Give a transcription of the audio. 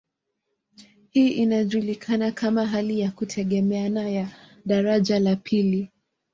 Hii inajulikana kama hali ya kutegemeana ya daraja la pili.